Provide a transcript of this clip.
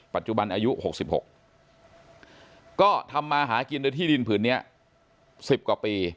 ปัจจุบันอายุ๖๖ก็ทำมาหากินโดยที่ดินผืนนี้๑๐กว่าปี